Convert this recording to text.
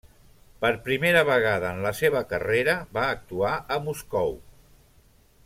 Per primera vegada en la seva carrera va actuar a Moscou.